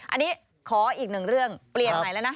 อันนี้ขออีกหนึ่งเรื่องเปลี่ยนใหม่แล้วนะ